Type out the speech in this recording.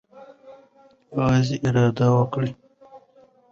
یوازې اراده وکړئ.